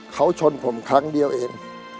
เขาชนผมครั้งเดียวเอง